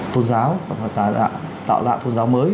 tôn giáo và tà đạo tạo lại tôn giáo mới